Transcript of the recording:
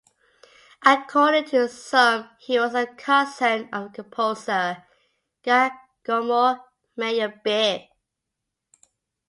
According to some he was a cousin of the composer Giacomo Meyerbeer.